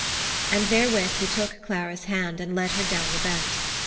And therewith he took Clara's hand, and led her down the bent.